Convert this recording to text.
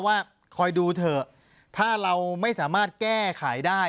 ว่าคอยดูเถอะถ้าเราไม่สามารถแก้ไขได้